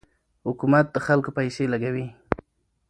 حکومت د خلکو پیسې لګوي.